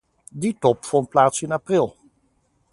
Die top vond plaats in april.